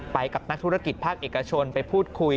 กับนักธุรกิจภาคเอกชนไปพูดคุย